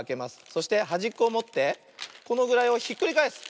そしてはじっこをもってこのぐらいをひっくりがえす。